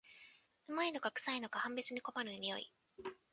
旨いのかくさいのか判別に困る匂い